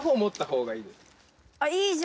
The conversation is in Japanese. あっいいじゃん。